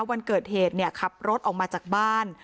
วันเกิดเหตุขับรถออกมาจากบ้าน